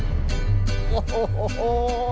โอ้โห